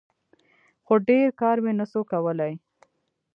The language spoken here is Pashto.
خو ډېر کار مې نسو کولاى.